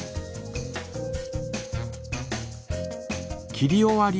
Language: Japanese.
切り終わり。